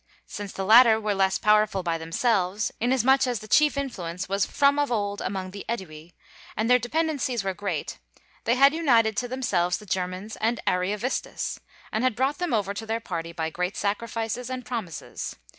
Since the latter were less powerful by themselves, inasmuch as the chief influence was from of old among the Ædui, and their dependencies were great, they had united to themselves the Germans and Ariovistus, and had brought them over to their party by great sacrifices and promises.